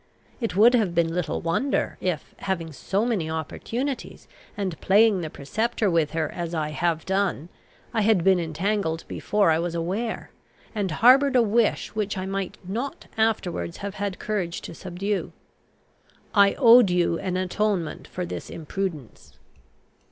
It would have been little wonder, if, having so many opportunities, and playing the preceptor with her as I have done, I had been entangled before I was aware, and harboured a wish which I might not afterwards have had courage to subdue. I owed you an atonement for this imprudence.